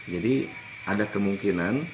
jadi ada kemungkinan